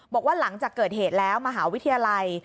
บอกว่าหลังจากเกิดเหตุแล้วมหาวิทยาลัย